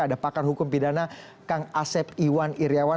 ada pakar hukum pidana kang asep iwan iryawan